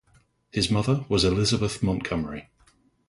His mother was Elizabeth Montgomery.